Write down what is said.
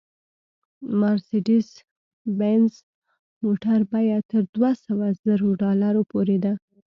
مارسېډیز بینز موټر بیه تر دوه سوه زرو ډالرو پورې ده